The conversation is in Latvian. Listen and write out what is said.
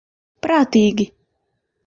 Prātīgi.